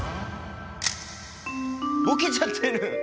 ボケちゃってる！